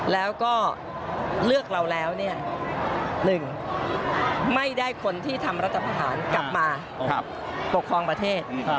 แล้วก็เลือกเราแล้ว๑ไม่ได้คนที่ทำรัฐประหารกลับมาปกครองประเทศ